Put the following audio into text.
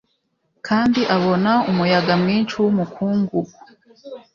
Kandi abona umuyaga mwinshi wumukungugu